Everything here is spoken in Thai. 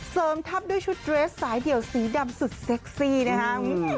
ทับด้วยชุดเรสสายเดี่ยวสีดำสุดเซ็กซี่นะครับ